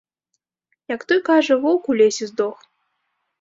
Як той кажа, воўк у лесе здох.